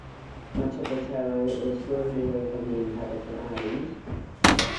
Much of the taro is grown away from the inhabited island.